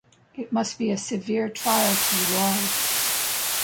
It must be a severe trial to you all.